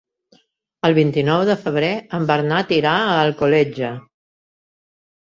El vint-i-nou de febrer en Bernat irà a Alcoletge.